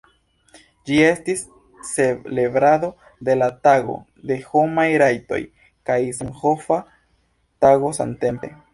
Ĝi estis celebrado de la Tago de Homaj Rajtoj kaj Zamenhofa Tago samtempe.